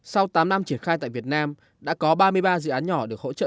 sau tám năm triển khai tại việt nam đã có ba mươi ba dự án nhỏ được hỗ trợ